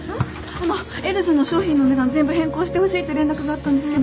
あのエルズの商品の値段全部変更してほしいって連絡があったんですけど。